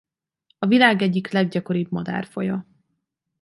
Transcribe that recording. A világ egyik leggyakoribb madárfaja.